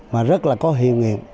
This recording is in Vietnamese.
mà rất là có hiệu nghiệp